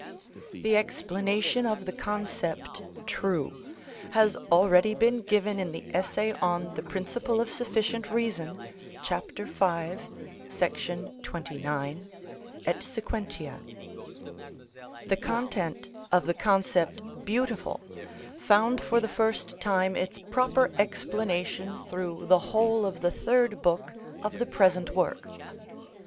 The explanation of the concept true has already been given in the essay on the principle of sufficient reason, chap. v. § 29 et seq. The content of the concept beautiful found for the first time its proper explanation through the whole of the Third Book of the present work.